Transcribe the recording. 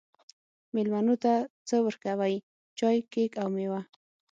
میلمنو ته څه ورکوئ؟ چای، کیک او میوه